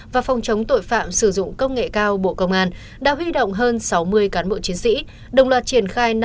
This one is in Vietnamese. và phòng chống tội phạm sử dụng công nghệ cao bộ công an đã huy động hơn sáu mươi cán bộ chiến sĩ